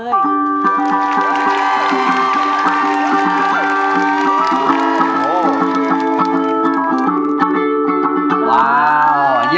ยังเพราะความสำคัญ